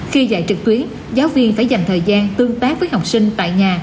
khi dạy trực tuyến giáo viên phải dành thời gian tương tác với học sinh tại nhà